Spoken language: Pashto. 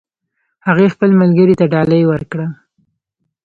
هغې خپل ملګري ته ډالۍ ورکړه